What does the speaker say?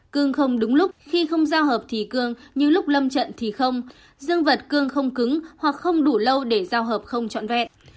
cương không đúng lúc khi không giao hợp thì cương như lúc lâm trận thì không dương vật cương không cứng hoặc không đủ lâu để giao hợp không trọn vẹn